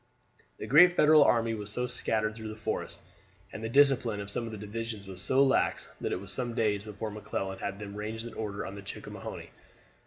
The great Federal army was so scattered through the forests, and the discipline of some of the divisions was so lax that it was some days before McClellan had them ranged in order on the Chickahominy.